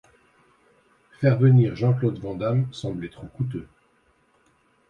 Faire revenir Jean-Claude Van Damme semblait trop couteux.